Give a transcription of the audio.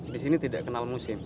di sini tidak kenal musim